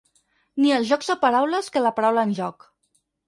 Ni els jocs de paraules que la paraula en joc.